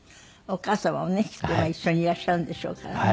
お母様もねきっと今一緒にいらっしゃるんでしょうからね。